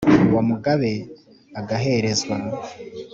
Uwo Mugabe agaherezwa,